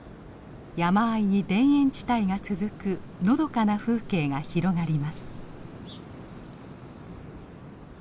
山あいに田園地帯が続くのどかな風景が広がります。